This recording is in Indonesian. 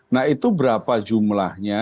nah itu berapa jumlahnya